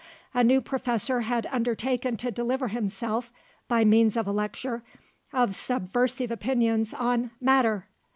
A new Professor had undertaken to deliver himself, by means of a lecture, of subversive opinions on "Matter."